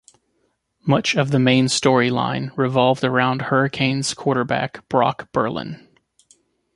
Much of the main story line revolved around Hurricanes quarterback Brock Berlin.